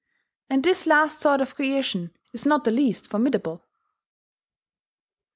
And this last sort of coercion is not the least formidable.